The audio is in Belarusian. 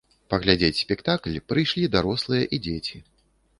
Паглядзець спектакль прыйшлі дарослыя і дзеці.